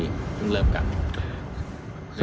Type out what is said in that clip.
เพิ่งเริ่มกัน